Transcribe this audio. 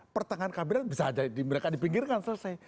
pertengahan kabinet bisa saja mereka dipinggirkan selesai